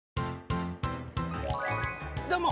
どうも！